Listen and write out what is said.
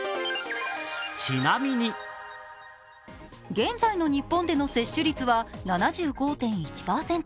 現在の日本での接種率は７５．１％。